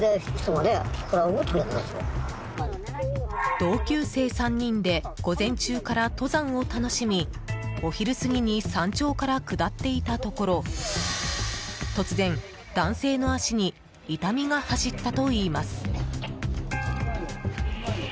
同級生３人で午前中から登山を楽しみお昼過ぎに山頂から下っていたところ突然、男性の足に痛みが走ったといいます。